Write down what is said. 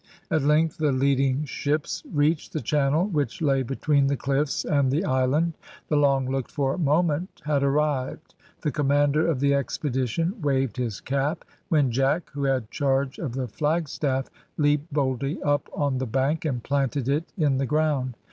At length the leading ships reached the channel, which lay between the cliffs and the island; the long looked for moment had arrived; the commander of the expedition waved his cap, when Jack, who had charge of the flagstaff, leapt boldly up on the bank and planted it in the ground.